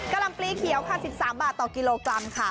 ลำปลีเขียวค่ะ๑๓บาทต่อกิโลกรัมค่ะ